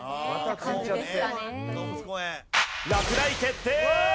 落第決定！